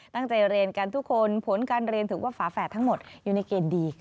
ตั้งใจเรียนกันทุกคนผลการเรียนถือว่าฝาแฝดทั้งหมดอยู่ในเกณฑ์ดี